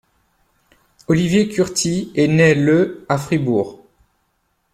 Olivier Curty est né le à Fribourg.